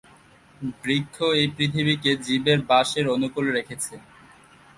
বৃক্ষ এই পৃথিবীকে জীবের বাসের অনুকূল রেখেছে।